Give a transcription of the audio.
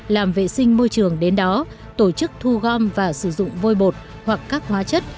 làm vệ sinh môi trường đến đó tổ chức thu gom và sử dụng vôi bột hoặc các hóa chất